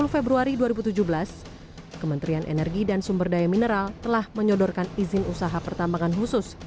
dua puluh februari dua ribu tujuh belas kementerian energi dan sumber daya mineral telah menyodorkan izin usaha pertambangan khusus